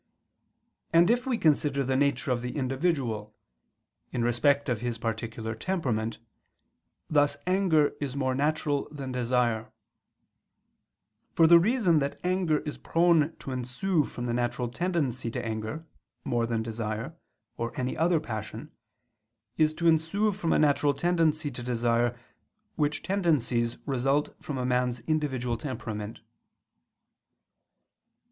And if we consider the nature of the individual, in respect of his particular temperament, thus anger is more natural than desire; for the reason that anger is prone to ensue from the natural tendency to anger, more than desire, or any other passion, is to ensue from a natural tendency to desire, which tendencies result from a man's individual temperament.